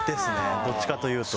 どっちかというと。